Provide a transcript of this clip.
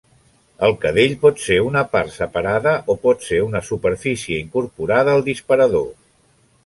El cadell pot ser una part separada o pot ser una superfície incorporada al disparador.